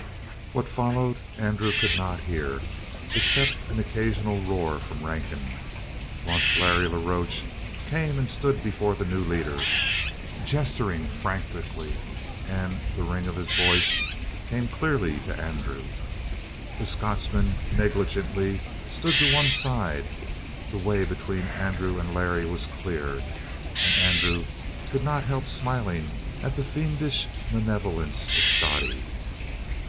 What followed Andrew could not hear, except an occasional roar from Rankin. Once Larry la Roche came and stood before the new leader, gesturing frantically, and the ring of his voice came clearly to Andrew. The Scotchman negligently stood to one side; the way between Andrew and Larry was cleared, and Andrew could not help smiling at the fiendish malevolence of Scottie.